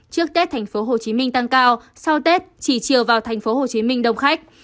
trước tết tp hcm tăng cao sau tết chỉ chiều vào tp hcm đông khách